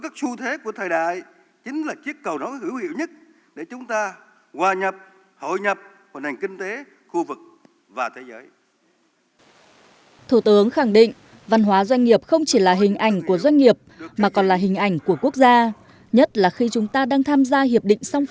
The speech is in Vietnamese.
thủ tướng chính phủ nguyễn xuân phúc nhấn mạnh văn hóa doanh nghiệp là linh hồn của doanh nghiệp là yếu tố quyết định của doanh nghiệp